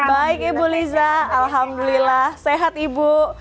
baik ibu liza alhamdulillah sehat ibu